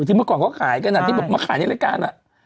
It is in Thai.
ที่เมื่อก่อนก็ขายกระหนักที่ถึงมาขายรายการอะ